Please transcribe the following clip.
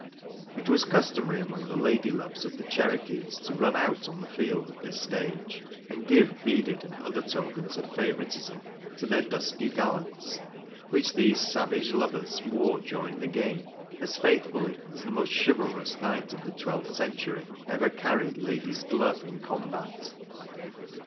It was customary among the lady loves of the Cherokees to run out on the field at this stage, and give beaded and other tokens of favoritism to their dusky gallants, which these savage lovers ^ore during the game as faithfully as the most chivalrous knight of the 12th century ever carried i it''* If, *'i' 22 THE ORIGINAL GAME. Mi ¬ę?‚Ė† Sill lady's glove in combat.